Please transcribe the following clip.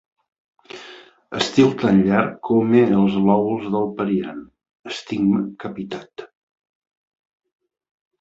Estil tan llarg come els lòbuls del periant; estigma capitat.